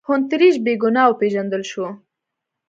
هونټریج بې ګناه وپېژندل شو.